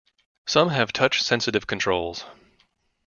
Some have touch-sensitive controls.